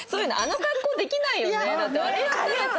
だってあれやったらさ。